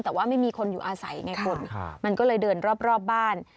แต่ว่าไม่มีคนอยู่อาศัยไงคุณมันก็เลยเดินรอบบ้าน